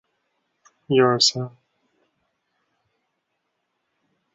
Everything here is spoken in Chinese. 辽朝只能全力固守幽蓟。